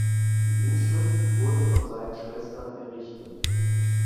Die Inschrift wurde von seinen Schwestern errichtet.